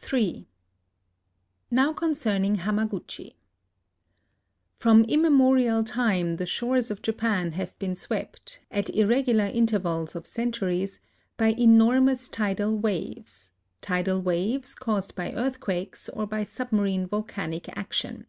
... Ill Now concerning Hamaguchi. From immemorial time the shores of Japan have been swept, at irregular intervals of cen turies, by enormous tidal waves, — tidal waves caused by earthquakes or by submarine vol canic action.